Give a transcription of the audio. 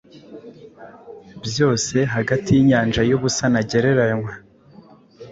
byose hagati yinyanja yubusa ntagereranywa.